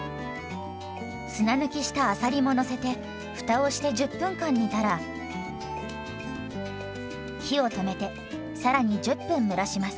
砂抜きしたあさりものせてふたをして１０分間煮たら火を止めてさらに１０分蒸らします。